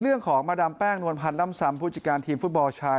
เรื่องของมาดามแป้งนวลพันธ์ล่ำซำผู้จัดการทีมฟุตบอลชาย